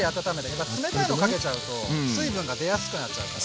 冷たいのかけちゃうと水分が出やすくなっちゃうから。